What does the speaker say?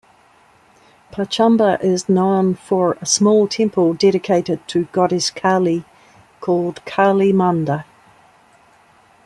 Pachamba is known for a small temple dedicated to Goddess Kali, called "Kali Manda".